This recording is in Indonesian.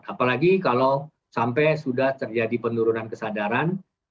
apalagi kalau sampai sudah terjadi penurunan kesadaran